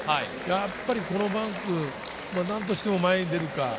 このバンク、なんとしても前に出るか。